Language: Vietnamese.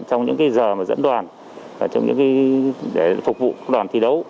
trong những giờ dẫn đoàn để phục vụ đoàn thi đấu